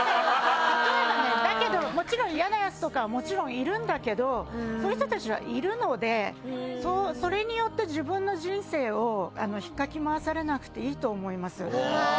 だけど、もちろん嫌なやつとかもいるんだけどそういう人たちはいるのでそれによって自分の人生を引っかき回されなくてもいいと思います。